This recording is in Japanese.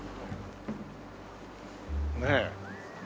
ねえ。